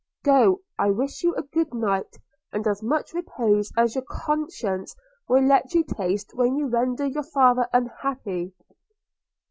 Go – I wish you a good night, and as much repose as your conscience will let you taste when you render your father unhappy!'